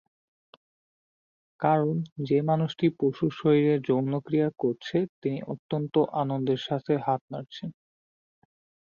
কারণ যে মানুষটি পশুর শরীরে যৌন ক্রিয়া করছে তিনি অত্যন্ত আনন্দের সাথে হাত নাড়ছেন।